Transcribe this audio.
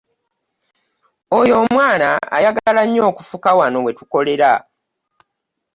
Oyo omwana ayagala nnyo okufuka wano wetukolera.